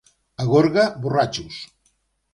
A Gorga, borratxos.